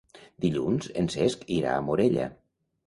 Dilluns en Cesc irà a Morella.